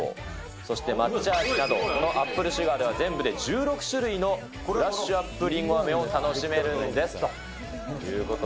そして抹茶味などアップルシュガーでは全部で１６種類のブラッシュアップりんごあめを楽しめるんですということで。